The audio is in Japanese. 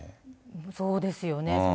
そうですよね。